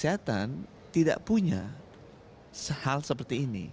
kesehatan tidak punya hal seperti ini